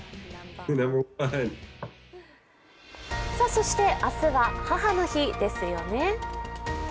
そして明日は母の日ですよね。